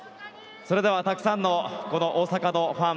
それではたくさんの大阪のファン